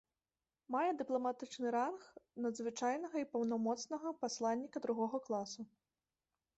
Мае дыпламатычны ранг надзвычайнага і паўнамоцнага пасланніка другога класу.